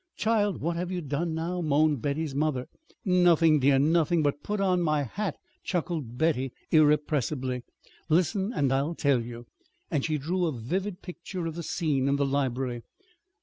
Child, what have you done now?" moaned Betty's mother. "Nothing, dear, nothing but put on my hat," chuckled Betty irrepressibly. "Listen, and I'll tell you." And she drew a vivid picture of the scene in the library.